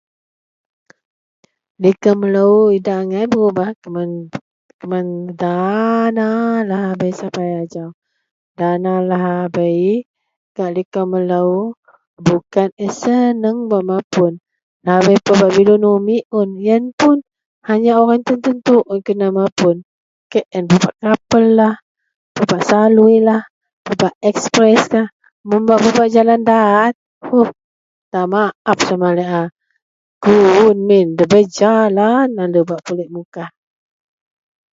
Likou melou idak angai berubah keman, keman dana sabei sapai ajau. Dana lahabei gak likou melou bukan je seneng bak mapun. Lahabei pebak bilun umik un. Yen pun hanya orang tertentu un kena mapun KL. Bei pebak kapel lah, pebak saluilah, pebak ekspreskah. Mun bak pebak jalan daat, huh, minta maap sama laei a, guwun min ndabei jalan lalu bak pulik Mukah.